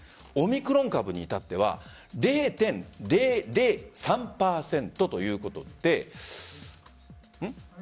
オミクロン株に至っては０．００３％ということで。